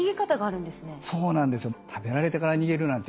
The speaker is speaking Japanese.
そうなんですよ。